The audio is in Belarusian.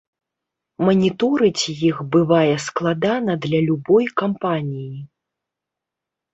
Маніторыць іх бывае складана для любой кампаніі.